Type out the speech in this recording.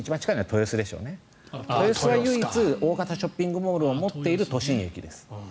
豊洲は唯一大型ショッピングモールを持っている都心駅です。